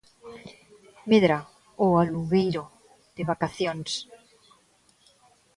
Medra o alugueiro de vacacións.